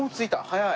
早い。